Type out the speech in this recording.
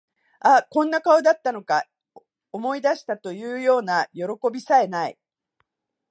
あ、こんな顔だったのか、思い出した、というようなよろこびさえ無い